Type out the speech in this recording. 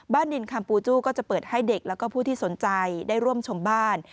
ดินคำปูจู้ก็จะเปิดให้เด็กแล้วก็ผู้ที่สนใจได้ร่วมชมบ้าน